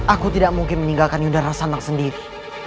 aku tidak mungkin meninggalkan yudhara santang sendiri